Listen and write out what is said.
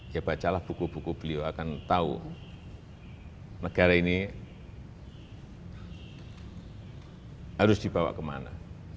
ya bacalah buku buku beliau akan tahu negara ini harus dibawa kemana